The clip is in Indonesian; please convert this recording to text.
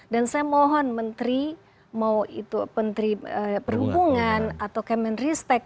dan saya mohon menteri mau itu menteri perhubungan atau kementeristek